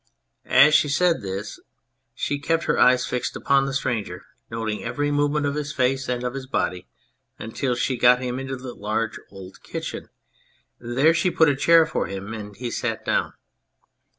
As she said this she kept her eyes fixed upon the stranger, noting every movement of his face and of his body, until she got him into the large old kitchen. There she put a chair for him, and he sat down.